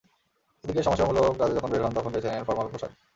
এদিকে সমাজসেবামূলক কাজে যখন বের হন, তখন বেছে নেন ফরমাল পোশাক।